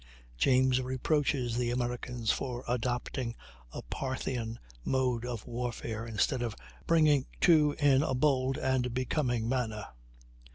James reproaches the Americans for adopting a "Parthian" mode of warfare, instead of "bringing to in a bold and becoming manner."